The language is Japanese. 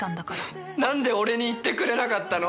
「何で俺に言ってくれなかったの？」